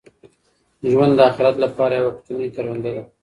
ژوند د اخیرت لپاره یوه کوچنۍ کرونده ده.